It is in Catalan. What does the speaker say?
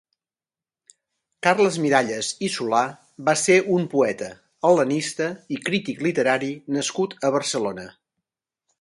Carles Miralles i Solà va ser un poeta, hel·lenista i crític literari nascut a Barcelona.